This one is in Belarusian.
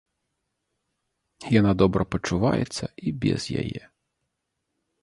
Яна добра пачуваецца і без яе.